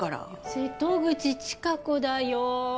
瀬戸口千佳子だよ。